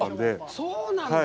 そうなんだ。